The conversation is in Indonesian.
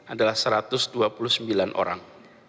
adalah satu ratus dua puluh sembilan orang